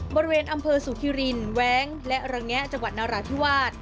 บริเวณอำเภอสุขิรินแว้งและระแงะจังหวัดนราธิวาส